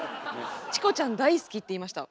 「チコちゃん大好き」って言いました。